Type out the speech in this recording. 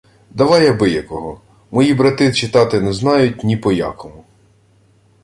— Давай абиякого. Мої брати читати не знають ні по якому.